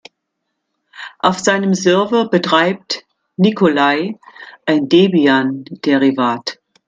Auf seinem Server betreibt Nikolai ein Debian-Derivat.